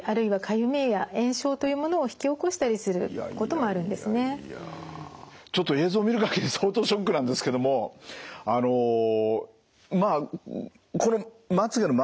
これがちょっと映像を見る限り相当ショックなんですけどもあのまあこれまつげの周りをですね